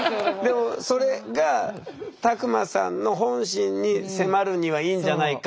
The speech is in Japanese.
でもそれが卓馬さんの本心に迫るにはいいんじゃないかってことですよね？